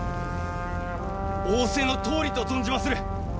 仰せのとおりと存じまする！